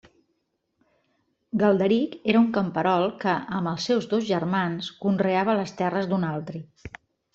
Galderic era un camperol que, amb els seus dos germans, conreava les terres d'un altri.